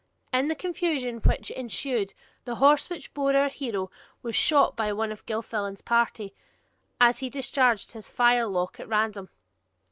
In the confusion which ensued the horse which bore our hero was shot by one of Gilfillan's party, as he discharged his firelock at random.